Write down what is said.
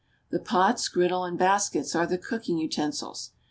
The pots, griddle, and , Ijjteskets are the cooking utensils.